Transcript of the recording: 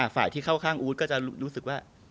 ฝ่ายที่เข้าข้างอู๊ดก็จะรู้สึกว่า